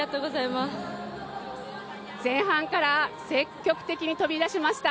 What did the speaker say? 前半から積極的に飛び出しました。